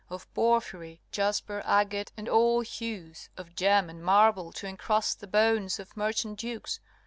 Of porphyry, jasper, agate, and all hues Of gem and marble, to encrust the bones Of merchant dukes?